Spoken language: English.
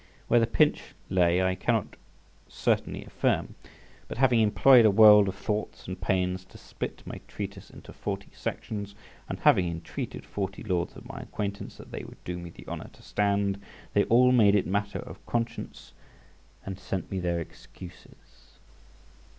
Where the pinch lay, I cannot certainly affirm; but having employed a world of thoughts and pains to split my treatise into forty sections, and having entreated forty Lords of my acquaintance that they would do me the honour to stand, they all made it matter of conscience, and sent me their excuses.